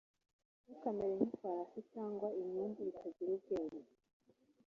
Ntukamere nk’ifarasi cyangwa inyumbu bitagira ubwenge